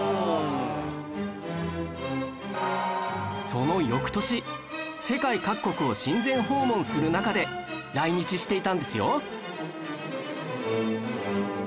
その翌年世界各国を親善訪問する中で来日していたんですよ